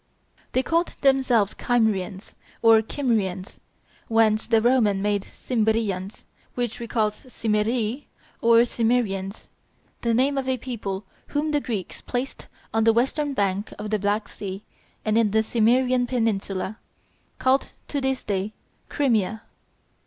They called themselves Kymrians or Kimrians, whence the Romans made Cimbrians, which recalls Cimmerii or Cimmerians, the name of a people whom the Greeks placed on the western bank of the Black Sea and in the Cimmerian peninsula, called to this day Crimea.